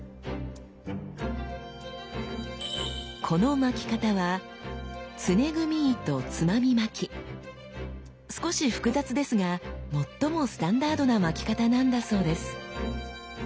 この巻き方は少し複雑ですが最もスタンダードな巻き方なんだそうです。